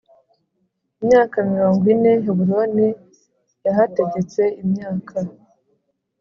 imyaka mirongo ine I Heburoni yahategetse imyaka